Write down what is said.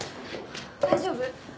大丈夫！？